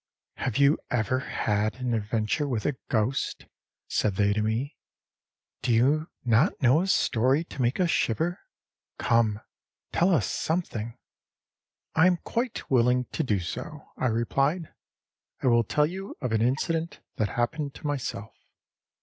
âHave you ever had an adventure with a ghost?â said they to me. âDo you not know a story to make us shiver? Come, tell us something.â âI am quite willing to do so,â I replied. âI will tell you of an incident that happened to myself.